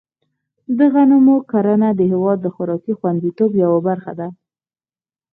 د غنمو کرنه د هېواد د خوراکي خوندیتوب یوه برخه ده.